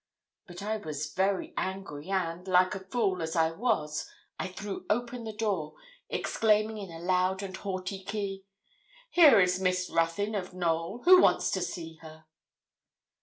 But I was very angry, and, like a fool as I was, I threw open the door, exclaiming in a loud and haughty key 'Here is Miss Ruthyn of Knowl. Who wants to see her?'